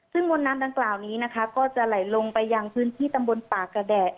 ซึ่งมวลน้ำดังกล่าวนี้นะคะก็จะไหลลงไปยังพื้นที่ตำบลป่ากระแดะ